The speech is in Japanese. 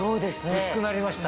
薄くなりました。